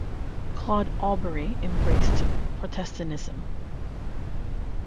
Claude Aubery embraced Protestantism.